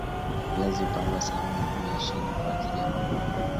viazi hupandwa sehemu ya juu ya shina kwa ajili ya mavuno bora